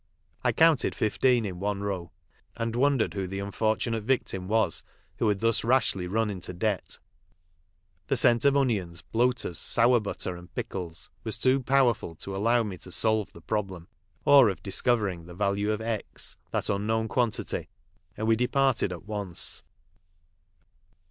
I counted fifteen in one row, and wondered who the unfortunate victim was who had thus rashly run into debt. The scent of onions, bloaters, sour butter, and pickles was too powerful to allow me to solve the problem, or of discovering the value of x, that unknown quantity, and we departed at once.